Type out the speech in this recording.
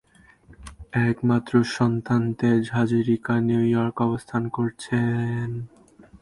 একমাত্র সন্তান তেজ হাজারিকা নিউইয়র্কে অবস্থান করছেন।